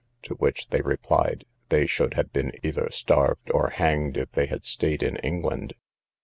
to which they replied, they should have been either starved or hanged if they had staid in England.